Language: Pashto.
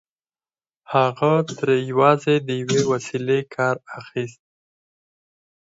هغه ترې یوازې د یوې وسيلې کار اخيست